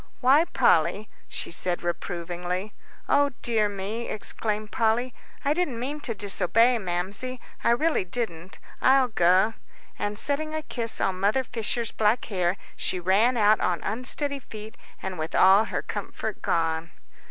"Why, Polly," she said, reprovingly. "O dear me!" exclaimed Polly, "I didn't mean to disobey, Mamsie, I really didn't; I'll go." And setting a kiss on Mother Fisher's black hair, she ran out on unsteady feet, and with all her comfort gone.